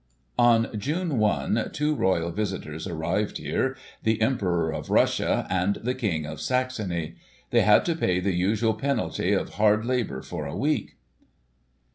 On June i, two Royal visitors arrived here, the Emperor of Russia and the King of Saxony. They had to pay the usual penalty of hard labour for a week.